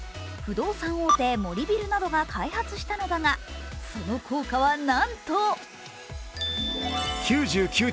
不動産王手・森ビルなどが開発したのだが、その効果はなんと９９．９％。